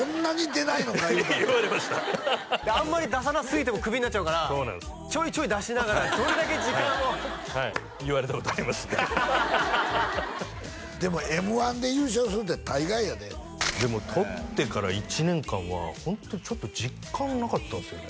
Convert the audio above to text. であんまり出さなすぎてもクビになっちゃうからそうなんすよちょいちょい出しながらどれだけ時間をはい言われたことありますねでもＭ−１で優勝するって大概やででも取ってから１年間はホントにちょっと実感なかったんですよね